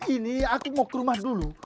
ini aku mau ke rumah dulu